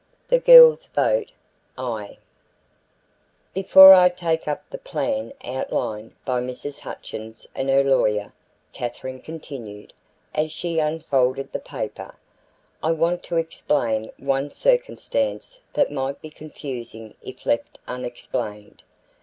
THE GIRLS VOTE "AYE." "Before I take up the plan outlined by Mrs. Hutchins and her lawyer," Katherine continued, as she unfolded the paper, "I want to explain one circumstance that might be confusing if left unexplained.